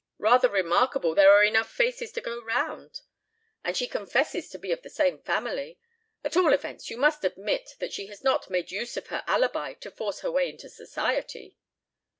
Rather remarkable there are enough faces to go round. And she confesses to be of the same family. At all events you must admit that she has not made use of her alibi to force her way into society."